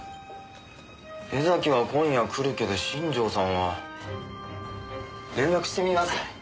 江崎は今夜来るけど新城さんは。連絡してみます。